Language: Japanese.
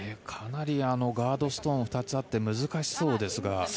かなりガードストーン２つあって難しそうですが。